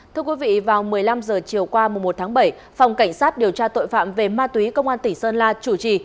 thưa quý vị vào một mươi năm h chiều qua một tháng bảy phòng cảnh sát điều tra tội phạm về ma túy công an tỉnh sơn la chủ trì